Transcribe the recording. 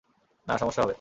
না, সমস্যা হবে।